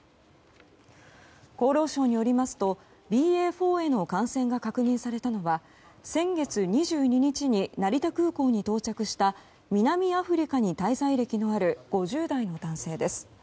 厚労省によりますとＢＡ．４への感染が確認されたのは先月２２日に成田空港に到着した南アフリカに滞在歴のある５０代の男性です。